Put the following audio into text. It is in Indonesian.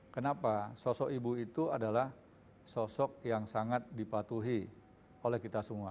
kenapa sosok ibu itu adalah sosok yang sangat dipatuhi oleh kita semua